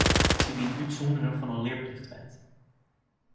Sy wienen útsûndere fan de learplichtwet.